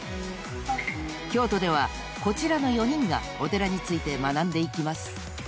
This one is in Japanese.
［京都ではこちらの４人がお寺について学んでいきます］